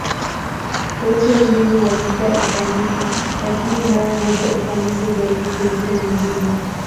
Wote mbinu walikuwa ufanisi, lakini mara moja ufanisi zaidi kuliko nyingine.